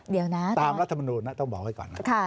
เดี๋ยวนะตามรัฐมนูลต้องบอกไว้ก่อนนะ